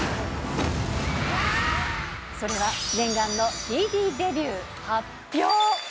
それは念願のＣＤデビュー発表。